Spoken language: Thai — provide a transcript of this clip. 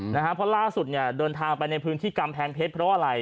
อืมเพราะล่าสุดเดินทางไปในพื้นที่กัมแพงเพชรเพราะว่าไร